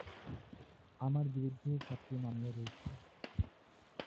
আমার বিরুদ্ধেও সাতটি মামলা রয়েছে।